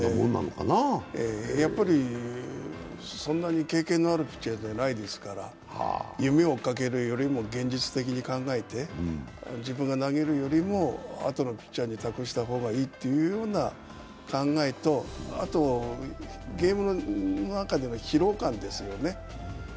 やっぱりそんなに経験のあるピッチャーじゃないですから夢を追いかけるよりも現実的に考えて自分が投げるよりもあとのピッチャーに託したほうがいいという考えとあとはゲームの中での疲労感ですよね。